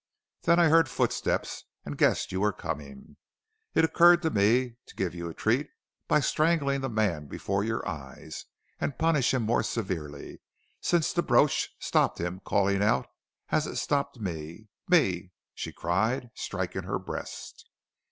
Then I heard footsteps, and guessed you were coming. It occurred to me to give you a treat by strangling the man before your eyes, and punish him more severely, since the brooch stopped him calling out as it stopped me me," she cried, striking her breast.